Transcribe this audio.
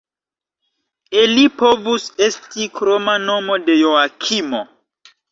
Eli povus esti kroma nomo de Joakimo.